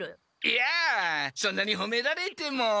いやそんなにほめられても。